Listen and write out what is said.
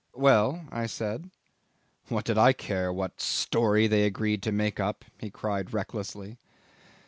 "Well?" I said. "What did I care what story they agreed to make up?" he cried recklessly.